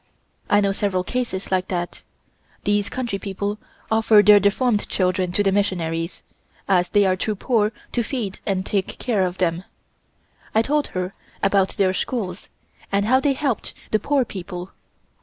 I know several cases like that. These country people offer their deformed children to the missionaries, as they are too poor to feed and take care of them. I told her about their schools, and how they helped the poor people.